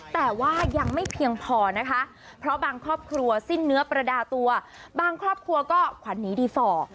แต่ว่ายังไม่เพียงพอนะคะเพราะบางครอบครัวสิ้นเนื้อประดาตัวบางครอบครัวก็ขวัญหนีดีฝ่อ